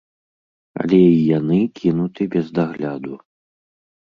Але і яны кінуты без дагляду.